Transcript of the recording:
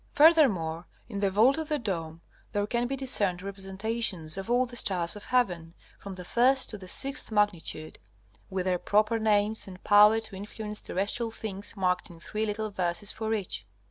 Furthermore, in the vault of the dome there can be discerned representations of all the stars of heaven from the first to the sixth magnitude, with their proper names and power to influence terrestrial things marked in three little verses for each.